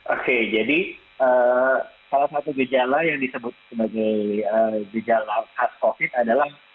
oke jadi salah satu gejala yang disebut sebagai gejala khas covid adalah